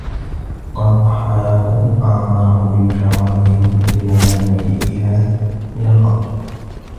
وَقَالَ الضَّحَّاكُ أَمَرَهُ بِمُشَاوِرَتِهِمْ لِمَا عَلِمَ فِيهَا مِنْ الْفَضْلِ